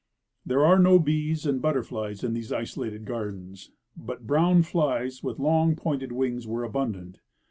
There are no bees and but terflies in these isolated gardens, but brown flies with long pointed wings were abundant.